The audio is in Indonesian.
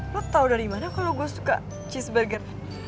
lo tau dari mana kalo gue suka cheeseburger